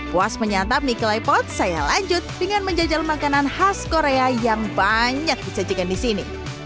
puas menyantap mie klepot saya lanjut dengan menjajal makanan khas korea yang banyak disajikan di sini